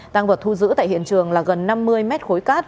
tăng vật thu giữ tại hiện trường là gần năm mươi mét khối cát